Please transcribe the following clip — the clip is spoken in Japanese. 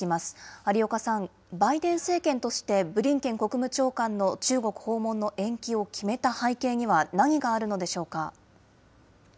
有岡さん、バイデン政権として、ブリンケン国務長官の中国訪問の延期を決めた背景には、何があるのでしょうか。